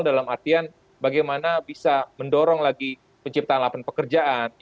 dalam artian bagaimana bisa mendorong lagi penciptaan lapangan pekerjaan